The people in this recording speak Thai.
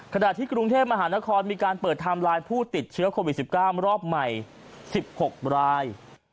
ขณะที่กรุงเทพมหานครมีการเปิดไทม์ไลน์ผู้ติดเชื้อโควิด๑๙รอบใหม่๑๖ราย